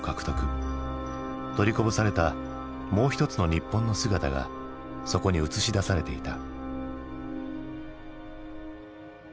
取りこぼされたもう一つの日本の姿がそこに映し出されていた。